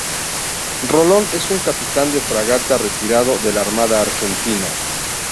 Rolón es un Capitán de Fragata retirado de la Armada Argentina.